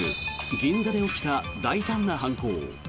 銀座で起きた大胆な犯行。